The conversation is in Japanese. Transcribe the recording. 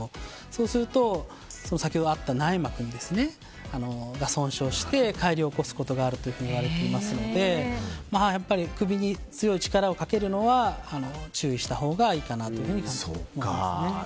そうすると先ほどあった内膜が損傷して解離を起こすことがあるというふうにいわれていますので首に強い力をかけるのは注意したほうがいいかなと考えます。